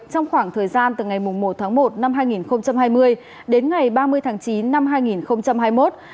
trong khoảng thời gian từ ngày một tháng một năm hai nghìn hai mươi đến ngày ba mươi tháng chín năm hai nghìn hai mươi một